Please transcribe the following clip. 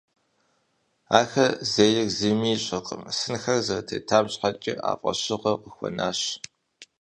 Ахэр зейр зыми ищӏэркъым, сынхэр зэрытетам щхьэкӏэ а фӏэщыгъэр къыхуэнащ.